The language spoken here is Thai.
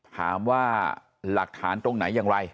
ถามว่าหลักฐานตรงไหนอย่างไร